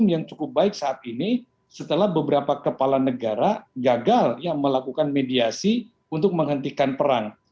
yang cukup baik saat ini setelah beberapa kepala negara gagal ya melakukan mediasi untuk menghentikan perang